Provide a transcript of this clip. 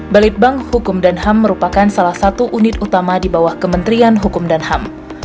balitbank hukum dan ham merupakan salah satu unit utama di bawah kementerian hukum dan ham